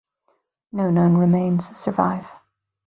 No known remains survive.